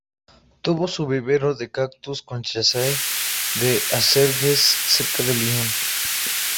Tuvo su vivero de cactus en Chazay-d'Azergues, cerca de Lyon.